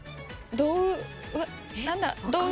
どう。